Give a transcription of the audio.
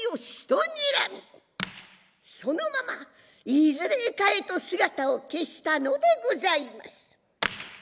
そのままいずれへかへと姿を消したのでございます。